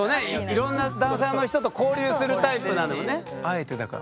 いろんなダンサーの人と交流するタイプなんだもんね。